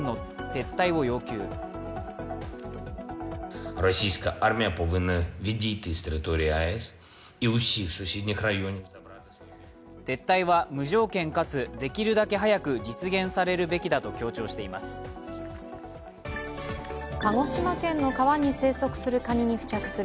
撤退は無条件かつ、できるだけ早く実現されるべきだと強調しています。